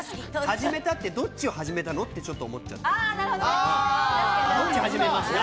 始めたって、どっちを始めたの？って思っちゃった。